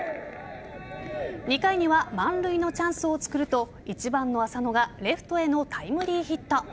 ２回には満塁のチャンスを作ると１番・の浅野がレフトへのタイムリーヒット。